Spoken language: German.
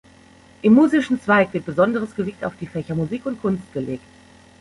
Im musischen Zweig wird besonderes Gewicht auf die Fächer Musik und Kunst gelegt.